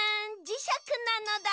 じしゃくなのだ。